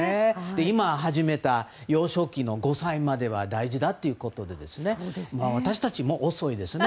今、始めた幼少期の５歳までが大事だということで私たちも遅いですね。